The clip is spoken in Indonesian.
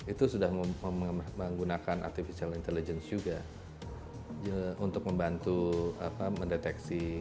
itu sudah menggunakan artificial intelligence juga untuk membantu mendeteksi apakah ini bisa diperlukan